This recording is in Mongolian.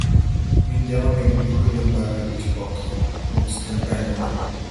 Энд ямар нэг бохир юм байгаа гэж бодох үндэс танд байна уу?